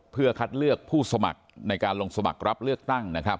เพื่อคัดเลือกผู้สมัครในการลงสมัครรับเลือกตั้งนะครับ